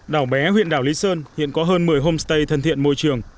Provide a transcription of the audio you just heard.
đảo bé huyện đảo lý sơn hiện có hơn một mươi homestay thân thiện môi trường